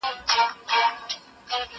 خو نارې سوې چي بم ټوله ورځ ویده وي